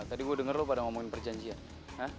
tadi gue denger lo pada ngomongin perjanjian